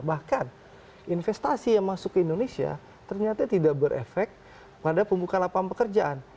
bahkan investasi yang masuk ke indonesia ternyata tidak berefek pada pembuka lapangan pekerjaan